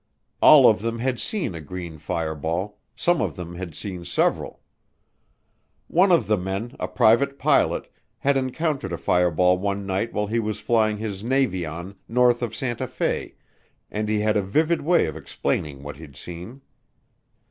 All of them had seen a green fireball, some of them had seen several. One of the men, a private pilot, had encountered a fireball one night while he was flying his Navion north of Santa Fe and he had a vivid way of explaining what he'd seen.